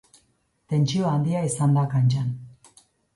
Tentsio handia izan da kantxan.